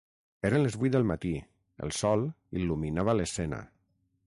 Eren les vuit del matí, el sol il·luminava l'escena.